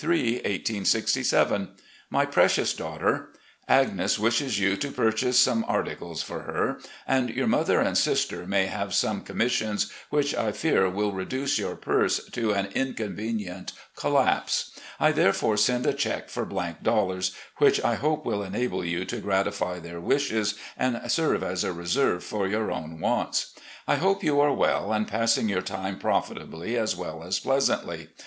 "My Precious Daughter: Agnes wishes you to pur chase some articles for her, and your mother and sister may have some commissions, which I fear will reduce your purse to an inconvenient collapse. I therefore send a check for dollars, which I hope will enable you to gratify their wishes and serve as a reserve for your own wants. I hope you are well and passing your time profitably as well as pleasantly.